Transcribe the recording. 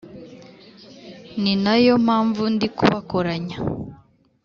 Ni nayo mpamvu ndi kubakoranya .